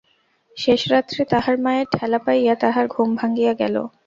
শেষ রাত্রে তাহার মায়ের ঠেলা পাইয়া তাহার ঘুম ভাঙিয়া গেল!